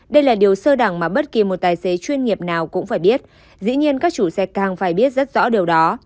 đây là điều sơ đẳng mà bất kỳ một tài xế chuyên nghiệp nào cũng phải biết dĩ nhiên các chủ xe càng phải biết rất rõ điều đó